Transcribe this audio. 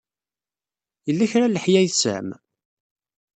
Yella kra n leḥya ay tesɛam?